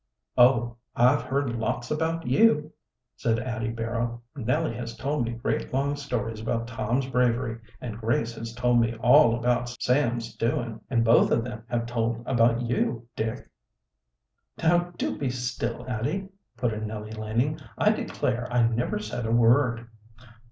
"Oh, I've heard lots about you!" said Addie Barrow. "Nellie has told me great, long stories about Tom's bravery, and Grace has told me all about Sam's doings, and both of them have told about you, Dick " "Now, do be still, Addie!" put in Nellie Laning. "I declare, I never said a word!"